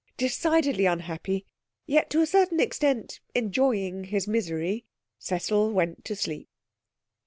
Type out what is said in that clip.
Decidedly unhappy, yet to a certain extent enjoying his misery, Cecil went to sleep.